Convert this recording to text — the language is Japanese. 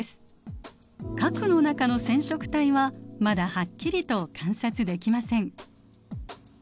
核の中の染色体はまだはっきりと観察できません。